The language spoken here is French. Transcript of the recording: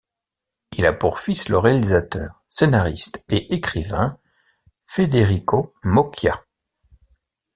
Il a pour fils le réalisateur, scénariste et écrivain Federico Moccia.